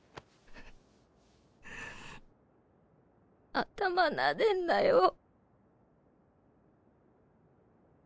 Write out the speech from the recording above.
頭なでんなよぉ。